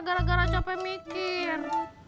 gara gara capek mikir